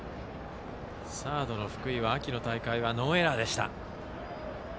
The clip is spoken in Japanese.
サードの福井は秋の大会はノーエラーでした。